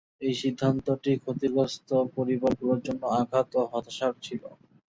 এই সিদ্ধান্তটি ক্ষতিগ্রস্ত পরিবারগুলোর জন্য আঘাত ও হতাশার ছিল।